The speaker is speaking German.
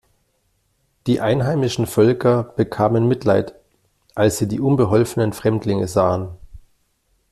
Die einheimischen Völker bekamen Mitleid, als sie die unbeholfenen Fremdlinge sahen.